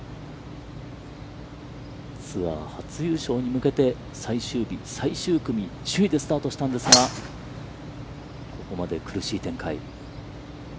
ツアー初優勝に向けて最終日、最終組、首位でスタートしたんですが、ここまで苦しい展開。